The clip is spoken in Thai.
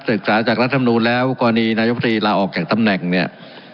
ปรึกษาจากรัฐธรรมนุนแล้วก่อนนี้นายกฎีลาออกจากตำแหน่งเนี่ย